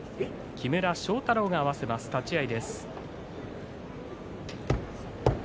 木村庄太郎が合わせます立ち合い。